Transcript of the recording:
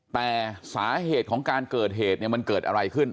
แต่สาเหตุของการเกิดเหตุเนี่ยมันเกิดอะไรขึ้น